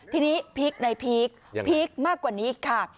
ทีนี้พีคในพีคพีคมากกว่านี้อีกค่ะ